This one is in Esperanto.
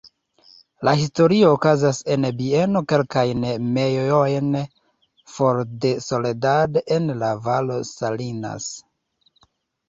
La historio okazas en bieno kelkajn mejlojn for de Soledad en la Valo Salinas.